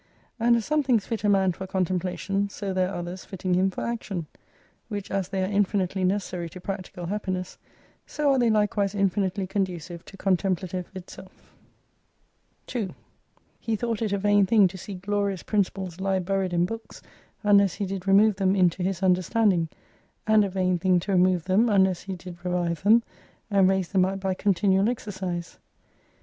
And as some things fit a man for contemplation, so there are others fitting him for action : which as they are mfinitely necessary to practical happiness, so are they hkewise infinitely conducive to contemplative itself 2 He thought it a vain thing to see glorious principles he buried in books, unless he did remove them into his understanding ; and a vain thing to remove them unless he did revive them, and raise them up by con tinual exercise.